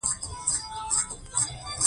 پر وچو پاڼو وخوت.